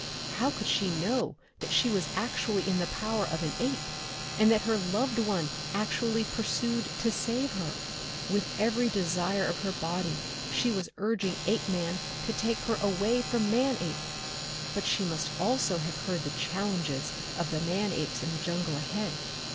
How could she know that she was actually in the power of an ape, and that her loved one actually pursued to save her? With every desire of her body she was urging Apeman to take her away from Manape. But she must also have heard the challenges of the man apes in the jungle ahead.